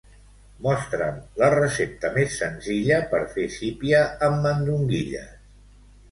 Mostra'm la recepta més senzilla per fer sípia amb mandonguilles.